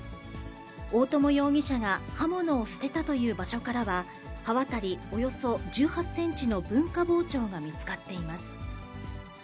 大友容疑者が刃物を捨てたという場所からは、刃渡りおよそ１８センチの文化包丁が見つかっています。